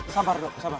sabar dok sabar